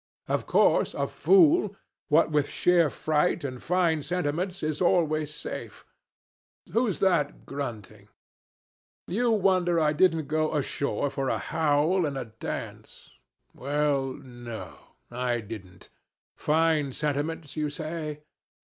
Of course, a fool, what with sheer fright and fine sentiments, is always safe. Who's that grunting? You wonder I didn't go ashore for a howl and a dance? Well, no I didn't. Fine sentiments, you say?